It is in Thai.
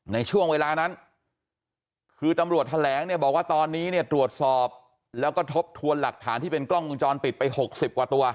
ในช่วงเวลานั้นคือตำรวจแถลงเนี่ยบอกว่าตอนนี้เนี่ยตรวจสอบแล้วก็ทบทวนหลักฐานที่เป็นกล้องวงจรปิดไป๖๐กว่าตัว